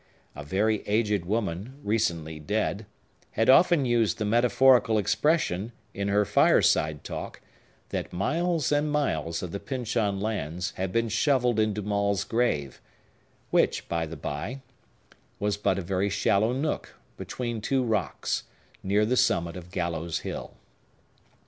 A very aged woman, recently dead, had often used the metaphorical expression, in her fireside talk, that miles and miles of the Pyncheon lands had been shovelled into Maule's grave; which, by the bye, was but a very shallow nook, between two rocks, near the summit of Gallows Hill.